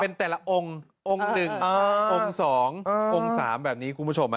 เป็นแต่ละองค์องค์๑องค์๒องค์๓แบบนี้คุณผู้ชม